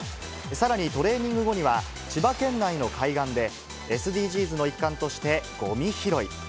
さらにトレーニング後には、千葉県内の海岸で、ＳＤＧｓの一環として、ごみ拾い。